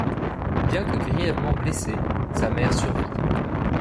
Bien que grièvement blessée, sa mère survit.